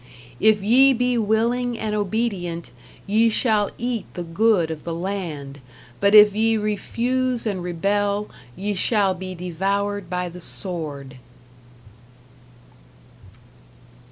If ye be willing and obedient, ye shall eat the good of the land. But if ye refuse and rebel, ye shall be devoured by the sword.